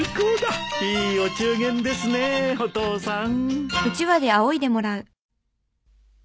いいお中元ですねお父さん。